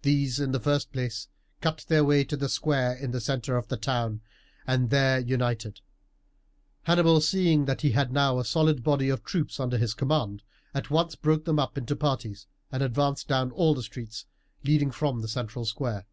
These, in the first place, cut their way to the square in the centre of the town, and there united. Hannibal, seeing he had now a solid body of troops under his command, at once broke them up into parties and advanced down all the streets leading from the central square.